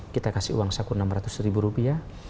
kita kasih uang sekurang kurangnya enam ratus ribu rupiah